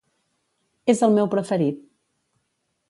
És el meu preferit.